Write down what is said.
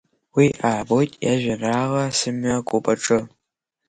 Уи аабоит иажәеинраала Сымҩа куп аҿы.